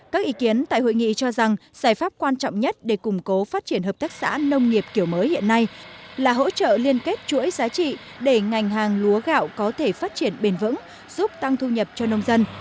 các ý kiến tại hội nghị cho rằng giải pháp quan trọng nhất để củng cố phát triển hợp tác xã nông nghiệp kiểu mới hiện nay là hỗ trợ liên kết chuỗi giá trị để ngành hàng lúa gạo có thể phát triển bền vững giúp tăng thu nhập cho nông dân